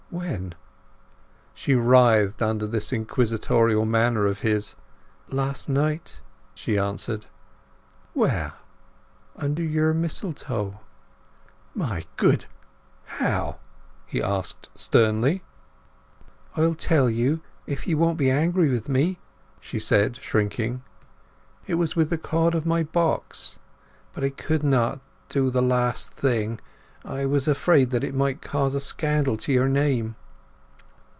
"When?" She writhed under this inquisitorial manner of his. "Last night," she answered. "Where?" "Under your mistletoe." "My good—! How?" he asked sternly. "I'll tell you, if you won't be angry with me!" she said, shrinking. "It was with the cord of my box. But I could not—do the last thing! I was afraid that it might cause a scandal to your name."